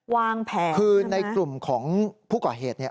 วางแผนใช่ไหมคะคือในกลุ่มของผู้ก่อเฮต